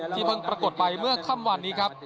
เพิ่งปรากฏไปเมื่อค่ำวันนี้ครับ